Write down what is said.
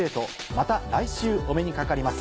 また来週お目にかかります。